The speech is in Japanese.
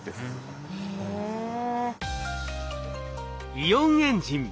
イオンエンジン